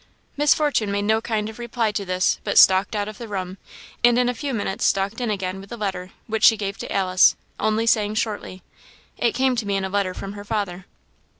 Miss Fortune made no kind of reply to this, but stalked out of the room, and in a few minutes stalked in again with the letter, which she gave to Alice, only saying shortly "It came to me in a letter from her father."